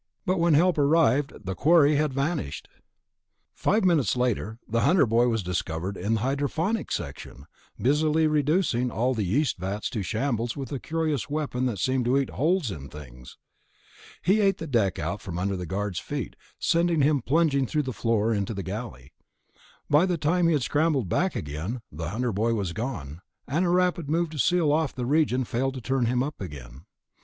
but when help arrived, the quarry had vanished. Five minutes later the Hunter boy was discovered in the Hydroponics section, busily reducing all the yeast vats to shambles with a curious weapon that seemed to eat holes in things. It ate the deck out from under the guard's feet, sending him plunging through the floor into the galley. By the time he had scrambled back again, the Hunter boy was gone, and a rapid move to seal off the region failed to turn him up again.